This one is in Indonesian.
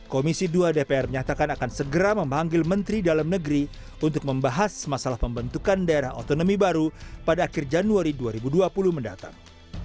komisi dua dpr menyatakan akan segera memanggil menteri dalam negeri untuk membahas masalah pembentukan daerah otonomi baru pada akhir januari dua ribu dua puluh mendatang